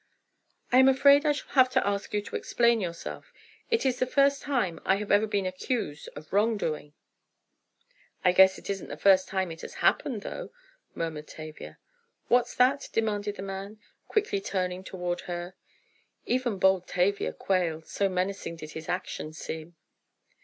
"I am afraid I shall have to ask you to explain yourself. It is the first time I have ever been accused of wrongdoing." "I guess it isn't the first time it has happened, though," murmured Tavia. "What's that?" demanded the man, quickly turning toward her. Even bold Tavia quailed, so menacing did his action seem.